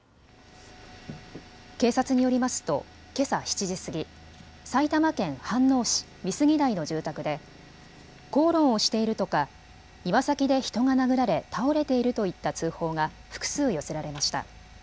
警察によりますと、けさ７時過ぎ埼玉県飯能市美杉台の住宅で口論をしているとか庭先で人が殴られ倒れているといった通報が複数、寄せられました。